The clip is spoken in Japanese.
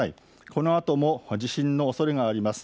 このあとも地震のおそれがあります。